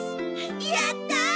やった！